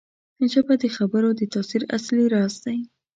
ژبه د خبرو د تاثیر اصلي راز دی